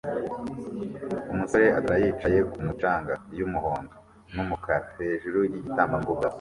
Umusore atwara yicaye kumu canga yumuhondo numukara hejuru yigitambambuga